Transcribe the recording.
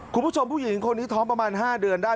คุณผู้ชมผู้หญิงคนนี้ท้องประมาณ๕เดือนได้